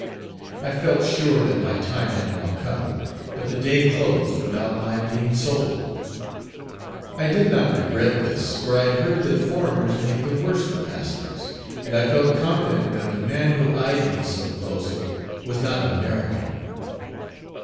I felt sure that my time had now come, but the day closed without my being sold. I did not regret this, for I had heard that foreigners made the worst of masters, and I felt confident that the man who eyed me so closely was not an American.